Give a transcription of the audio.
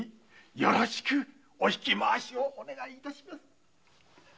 よろしくお引き回し願います。